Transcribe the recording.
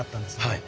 はい。